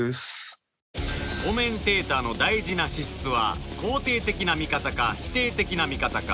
「コメンテーターの大事な資質は肯定的な見方か否定的な見方か」